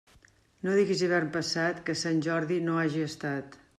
No diguis hivern passat que Sant Jordi no hagi estat.